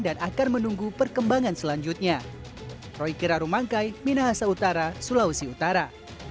dan akan menunggu perkembangan selanjutnya roy kira rumangkai minahasa utara sulawesi utara